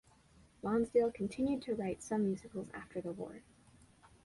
Lonsdale continued to write some musicals after the war.